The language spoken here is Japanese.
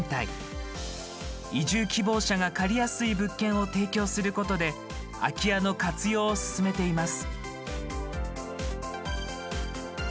移住希望者が借りやすい物件を提供することで空き家の活用を進めています。